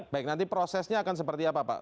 baik nanti prosesnya akan seperti apa pak